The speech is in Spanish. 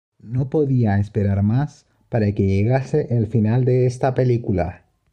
No podía esperar más para que llegase el final de esta película".